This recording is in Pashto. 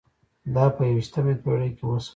دا په یوویشتمه پېړۍ کې وشول.